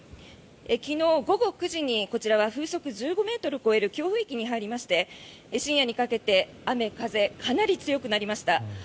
昨日午後９時にこちらは風速１５ｍを超える強風域に入りまして深夜にかけて雨、風かなり強くなりました。